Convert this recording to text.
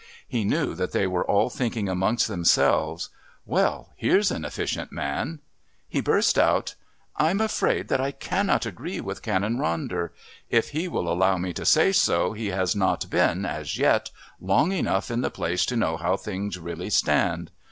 He knew that they were all thinking amongst themselves: "Well, here's an efficient man!" He burst out: "I'm afraid that I cannot agree with Canon Ronder. If he will allow me to say so, he has not been, as yet, long enough in the place to know how things really stand.